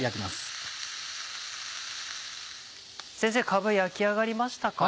かぶ焼き上がりましたか？